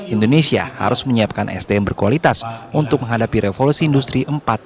indonesia harus menyiapkan sdm berkualitas untuk menghadapi revolusi industri empat